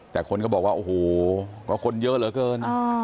แต่คนก็บอกว่าโอ้โหก็คนเยอะเหลือเกิน